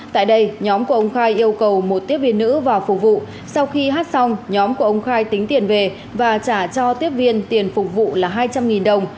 tại đây nhóm của ông khai yêu cầu một tiếp viên nữ vào phục vụ sau khi hát xong nhóm của ông khai tính tiền về và trả cho tiếp viên tiền phục vụ là hai trăm linh đồng